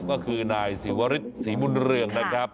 ก็คือนายศิวริสศรีบุญเรืองนะครับ